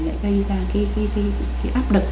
lại gây ra cái áp lực